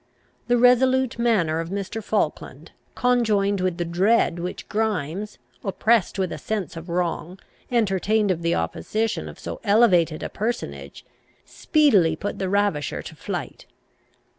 The resolute manner of Mr. Falkland, conjoined with the dread which Grimes, oppressed with a sense of wrong, entertained of the opposition of so elevated a personage, speedily put the ravisher to flight.